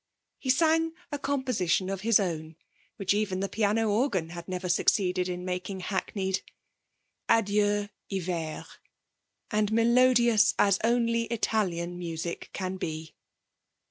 He sang a composition of his own, which even the piano organ had never succeeded in making hackneyed, 'Adieu, Hiver,' and melodious as only Italian music can be.